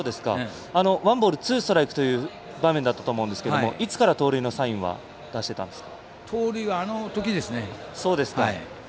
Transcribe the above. ワンボールツーストライクという場面だったと思うんですがいつから盗塁のサインは出してたんですか？